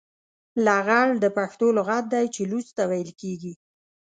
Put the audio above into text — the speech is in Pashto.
لغړ د پښتو لغت دی چې لوڅ ته ويل کېږي.